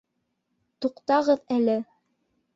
Туҡтағыҙ әле!